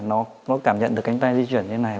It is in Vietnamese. nó cảm nhận được cánh tay di chuyển như thế này